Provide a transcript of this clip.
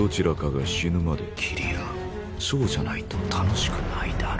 そうじゃないと楽しくないだろ。